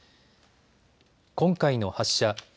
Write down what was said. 今回の発射。